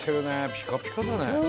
ピカピカだね。